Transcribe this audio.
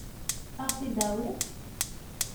Ad ɣ-t-id-tawiḍ?